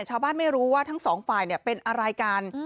ชาวบ้านไม่รู้ว่าทั้งสองฝ่ายเป็นอะไรกัน